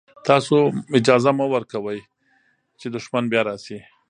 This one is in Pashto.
تاسو مه اجازه ورکوئ چې دښمن بیا راشي.